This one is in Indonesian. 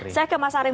saya ke mas arief